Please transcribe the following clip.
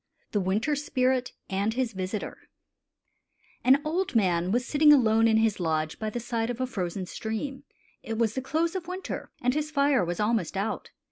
THE WINTER SPIRIT AND HIS VISITOR |AN old man was sitting alone in his lodge by the side of a frozen stream. It was the close of winter, and his fire was almost ont.